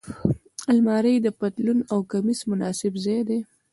الماري د پتلون او کمیس مناسب ځای دی